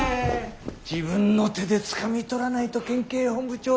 自分の手でつかみ取らないと県警本部長賞は。